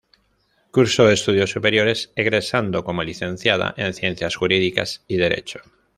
Cursó estudios superiores egresando como licenciada en ciencias jurídicas y derecho.